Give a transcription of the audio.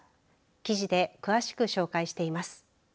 記事で詳しく紹介しています。